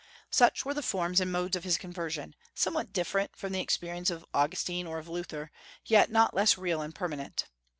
Such were the forms and modes of his conversion, somewhat different from the experience of Augustine or of Luther, yet not less real and permanent.